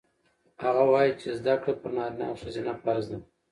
هغه وایي چې زده کړه پر نارینه او ښځینه فرض ده.